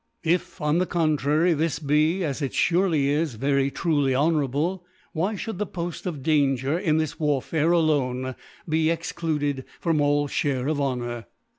If on the contrary this be, as it furcly is, very truly honourablej, why (hould the Poft of Danger ( 1^3 ) Danget in this Warfare alone be excluded: from all Share of Honour